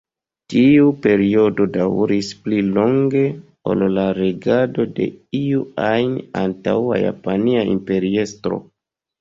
Tiu periodo daŭris pli longe ol la regado de iu ajn antaŭa japania imperiestro.